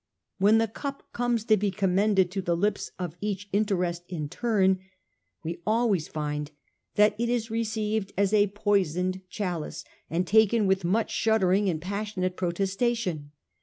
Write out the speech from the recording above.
When the cup comes to be commended to the lips of each interest in turn, we always find that it is received as a poisoned chalice, and taken with much shuddering and passionate protestation.